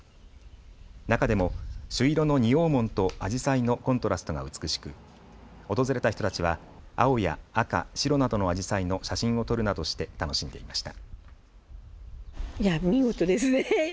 中でも朱色の仁王門とアジサイのコントラストが美しく訪れた人たちは青や赤、白などのアジサイの写真を撮るなどして楽しんでいました。